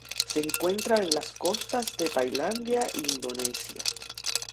Se encuentran en las costas de Tailandia y Indonesia.